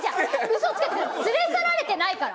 「嘘つけ」って連れ去られてないから。